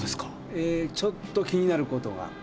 えーちょっと気になることが。